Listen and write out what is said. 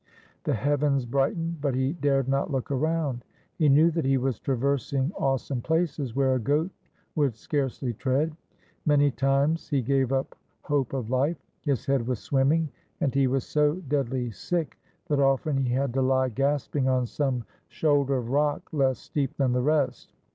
The heavens brightened, but he dared not look around. He knew that he was traversing awe some places where a goat would scarcely tread. Many times he gave up hope of life. His head was swimming, and he was so deadly sick that often he had to lie gasp ing on some shoulder of rock less steep than the rest.